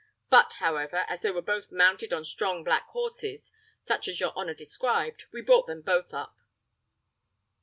But, however, as they were both mounted on strong black horses, such as your honour described, we brought them both up."